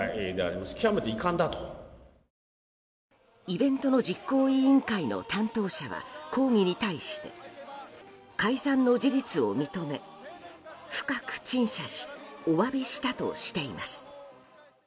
イベントの実行委員会の担当者は、抗議に対して改ざんの事実を認め、深く陳謝しお詫びしたとしています。